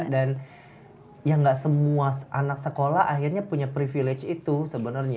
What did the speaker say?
dan ya gak semua anak sekolah akhirnya punya privilege itu sebenernya